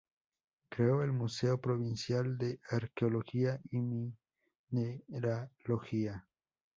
Creó el Museo Provincial de Arqueología y Mineralogía.